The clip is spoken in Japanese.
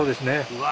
うわ